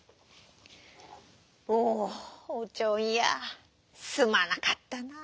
「おおおちょんやすまなかったな。